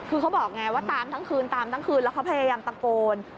คือเขาบอกไงว่าตามทั้งคืนแล้วเขาพยายามตะโกน